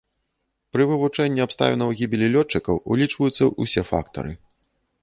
Пры вывучэнні абставінаў гібелі лётчыкаў улічваюцца ўсе фактары.